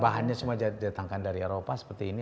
bahannya semua didatangkan dari eropa seperti ini